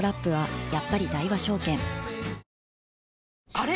あれ？